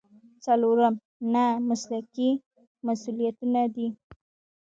څلورم نهه مسلکي مسؤلیتونه دي.